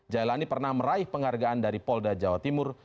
jailani pernah meraih penghargaan dari polda jawa timur